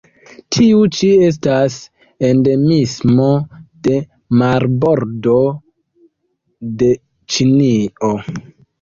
Tiu ĉi estas endemismo de marbordo de Ĉinio.